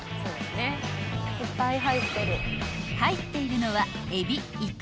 ［入っているのは］